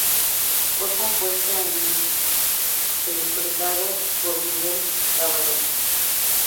Fue compuesta e interpretado por Miguel Zavaleta.